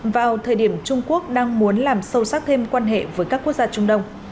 vào thời điểm trung quốc đang muốn làm sâu sắc thêm quan hệ với các quốc gia trung đông